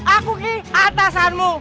aku ke atasanmu